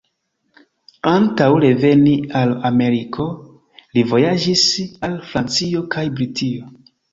Antaŭ reveni al Ameriko, li vojaĝis al Francio kaj Britio.